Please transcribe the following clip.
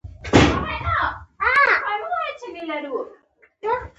طارق د هوټل مخې ته په پیاده رو کې ولاړ و.